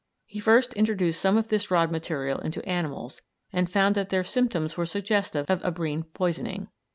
He first introduced some of this rod material into animals, and found that their symptoms were suggestive of abrine poisoning.